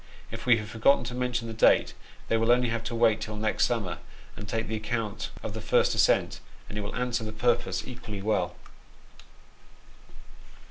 If we have forgotten to mention the date, they have only to wait till next summer, and take the account of the first ascent, and it will answer the purpose equally well.